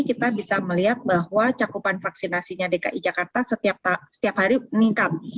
kita bisa melihat bahwa cakupan vaksinasinya dki jakarta setiap hari meningkat